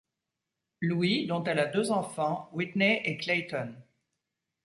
Louis dont elle a deux enfants, Whitney et Clayton.